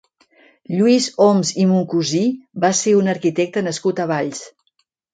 Lluís Homs i Moncusí va ser un arquitecte nascut a Valls.